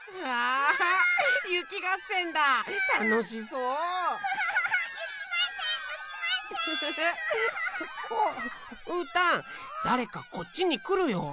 うーたんだれかこっちにくるよ。